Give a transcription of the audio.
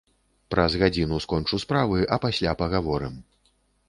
Праз гадзіну скончу справы, а пасля пагаворым.